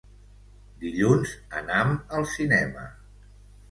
Dilluns anam al cinema.